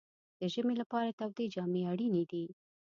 د ژمي لپاره تودې جامې اړینې دي.